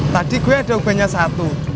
tadi gue ada ubahnya satu